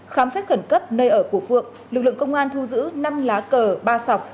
khám xét khẩn cấp nơi ở của phượng lực lượng công an thu giữ năm lá cờ ba sọc